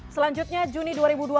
selanjutnya juni dua ribu dua puluh